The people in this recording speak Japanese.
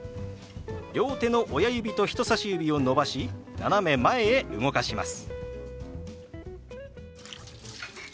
両手の親指と人さし指を伸ばし斜め前へ動かします。